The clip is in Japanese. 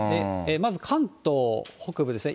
まず関東北部ですね。